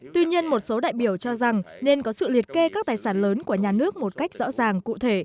tuy nhiên một số đại biểu cho rằng nên có sự liệt kê các tài sản lớn của nhà nước một cách rõ ràng cụ thể